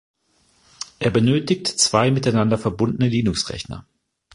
Er benötigt zwei miteinander verbundene Linux-Rechner.